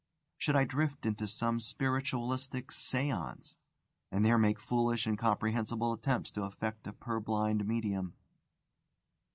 Should I drift to some spiritualistic séance, and there make foolish, incomprehensible attempts to affect a purblind medium?